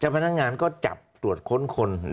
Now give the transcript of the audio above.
พนักงานก็จับตรวจค้นคน